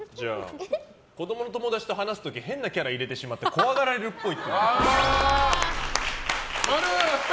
子供の友達と話す時変なキャラ入れてしまって怖がられるっぽい。